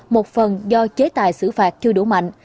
một phần do chế tài xử phạt chưa đủ mạnh